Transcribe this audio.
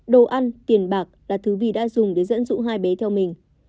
đồ ăn tiền bạc là thứ vì đã dùng để dẫn dụ hai bé theo mình